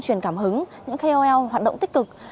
truyền cảm hứng những kol hoạt động tích cực